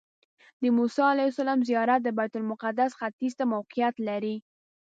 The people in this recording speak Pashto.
د موسی علیه السلام زیارت د بیت المقدس ختیځ ته موقعیت لري.